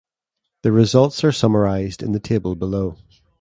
The results are summarized in the table below.